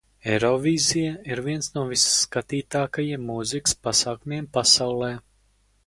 Eirovīzija ir viens no visskatītākajiem mūzikas pasākumiem pasaulē.